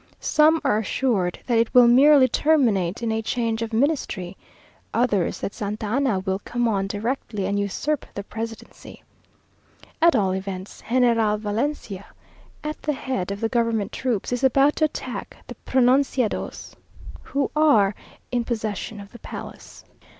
Some are assured that it will merely terminate in a change of ministry others that Santa Anna will come on directly and usurp the presidency. At all events, General Valencia, at the head of the government troops, is about to attack the pronunciados, who are in possession of the palace....